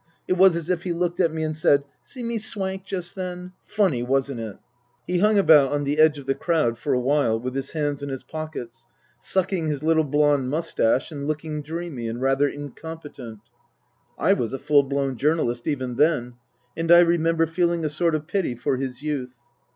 It was as if he looked at me and said, " See me swank just then ? Funny, wasn't it ?" He hung about on the edge of the crowd for a while with his hands in his pockets, sucking his little blond moustache and looking dreamy and rather incompetent. I was a full blown journalist even then, and I remember feeling a sort of pity for his youth.